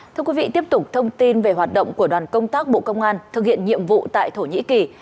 thưa quý vị tiếp tục thông tin về hoạt động của đoàn công tác bộ công an thực hiện nhiệm vụ tại thổ nhĩ kỳ